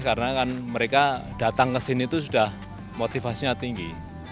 karena mereka datang ke sini itu sudah motivasinya tinggi